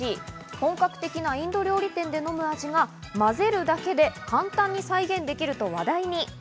本格的なインド料理店で飲む味がまぜるだけで簡単に再現できると話題に。